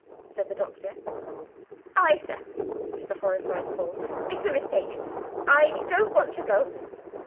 said the Doctor. "I, sir!" said the horrified Paul, "it's a mistake I don't want to go.